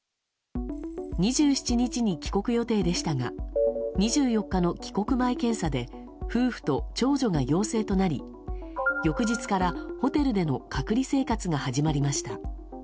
２７日に帰国予定でしたが２４日の帰国前検査で夫婦と長女が陽性となり翌日からホテルでの隔離生活が始まりました。